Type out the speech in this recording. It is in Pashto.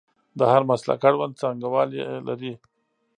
د هر مسلک اړوند څانګوال یې لري.